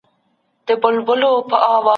خو دښمن و ته مي وايه ، نه بېرېږي